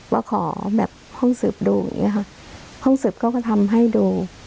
ว่าขอแบบห้องสืบดูอย่างเงี้ค่ะห้องสืบเขาก็ทำให้ดู